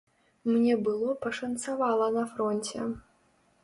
Мне было пашанцавала на фронце.